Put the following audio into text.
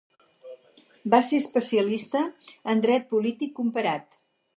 Va ser especialista en dret polític comparat.